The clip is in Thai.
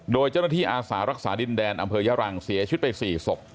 โดยเจ้าหน้าที่อาศารักษาดินแดนอำเภวยารังเสียชุดไปสี่ศก